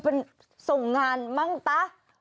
เป็นส่งงานมั้งต๊ะ